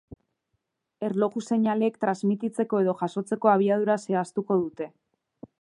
Erloju-seinaleek transmititzeko edo jasotzeko abiadura zehaztuko dute.